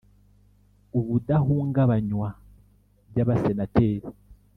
ubudahungabanywa by Abasenateri